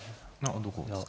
どこですか？